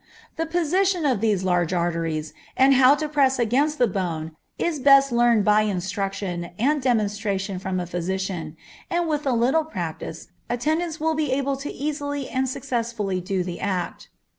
The position of these large arteries, and how to press against the bone, is best learned by instruction and demonstration from a physician, and with a little practice attendants will be able to easily and successfully do the act.